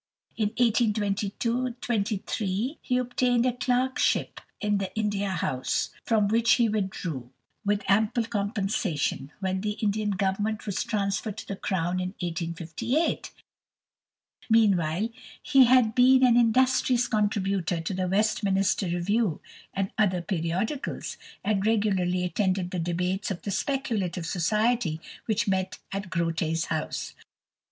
In 1823 he obtained a clerkship in the India House, from which he withdrew, with ample compensation, when the Indian Government was transferred to the Crown in 1858. Meanwhile he had been an industrious contributor to the Westminster Review and other periodicals, and regularly attended the debates of the Speculative Society which met at Grote's house.